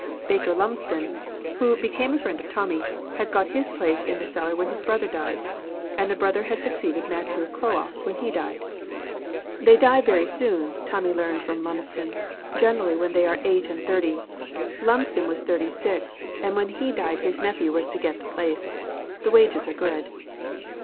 Baker Lumsden, who became a friend of Tommy, had got his place in the cellar when his brother died, and the brother had succeeded Matthew Croall when he died. They die very soon, Tommy learned from Lumsden, generally when they are eight and thirty. Lumsden was thirty six, and when he died his nephew was to get the place. The wages are good.